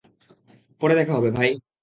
পরে দেখা হবে, ভাই।